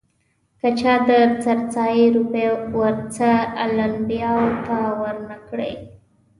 که چا د سرسایې روپۍ ورثه الانبیاوو ته ور نه کړې.